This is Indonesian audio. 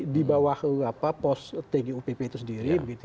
di bawah pos tgupp itu sendiri